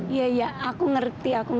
iya aku tau